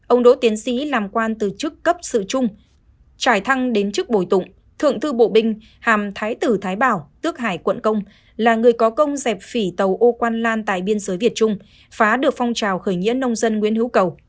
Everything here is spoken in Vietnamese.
ông đỗ tiến sĩ làm quan từ chức cấp sự chung trải thăng đến chức bồi tụng thượng thư bộ binh hàm thái tử thái bảo tước hải quận công là người có công dẹp phỉ tàu ô quan lan tại biên giới việt trung phá được phong trào khởi nghĩa nông dân nguyễn hữu cầu